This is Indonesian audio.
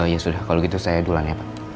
ya sudah kalau gitu saya dulanya pak